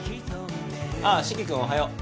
ああ四鬼君おはよう。